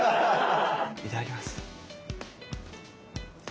いただきます！